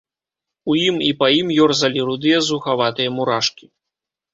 У ім і па ім ёрзалі рудыя, зухаватыя мурашкі.